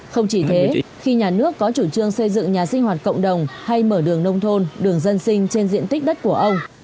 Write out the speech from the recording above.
không chỉ thế khi nhà nước có chủ trương xây dựng nhà sinh hoạt cộng đồng hay mở đường nông thôn đường dân sinh trên diện tích đất của ông